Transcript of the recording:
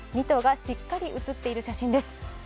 ２頭がしっかり写っている写真です